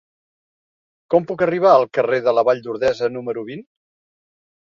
Com puc arribar al carrer de la Vall d'Ordesa número vint?